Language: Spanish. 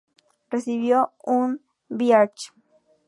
Recibió un B. Arch.